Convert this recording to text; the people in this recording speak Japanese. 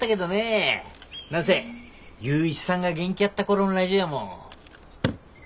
何せ雄一さんが元気やった頃んラジオやもん。